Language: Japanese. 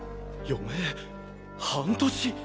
余命半年！？